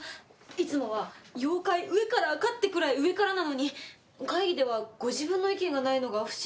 いつもは「妖怪上カラー」かってくらい上からなのに会議ではご自分の意見がないのが不思議だなって。